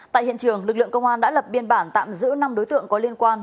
tại hiện trường lực lượng công an đã lập biên bản tạm giữ năm đối tượng có liên quan